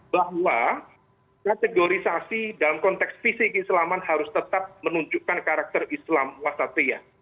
bahwa kategorisasi dalam konteks visi keislaman harus tetap menunjukkan karakter islam wasatria